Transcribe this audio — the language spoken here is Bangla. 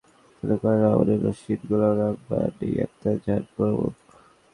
রাষ্ট্রপতির ভাষণের ওপর আরও আলোচনা করেন মামুনুর রশীদ, গোলাম রাব্বানী, আক্তার জাহান প্রমুখ।